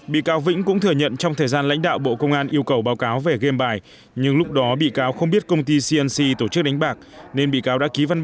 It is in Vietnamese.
bị cáo vĩnh cũng thừa nhận trong thời gian lãnh đạo bộ công an yêu cầu báo cáo về game bài